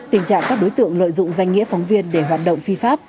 tình trạng các đối tượng lợi dụng danh nghĩa phóng viên để hoạt động phi pháp